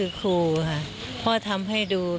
เรื่องเกษตรทฤษฎีใหม่และความพอเพียงของในหลวงรัชกาลที่๙